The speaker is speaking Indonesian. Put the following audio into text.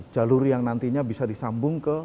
jalur yang nantinya bisa disambung ke